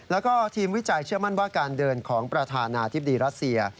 แล้วก็ทีมวิจัยเชื่อมั่นว่าการเดินของประธานาธิบดีรัสเซีย